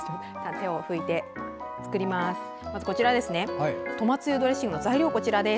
手を拭いて作ります。